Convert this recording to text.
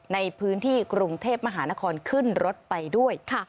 ในพื้นที่กรุงเทพมหานครขึ้นรถไปด้วย